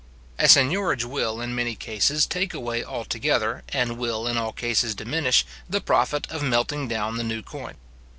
A seignorage will, in many cases, take away altogether, and will in all cases diminish, the profit of melting down the new coin.